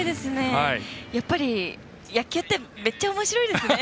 やっぱり野球ってめっちゃおもしろいですね！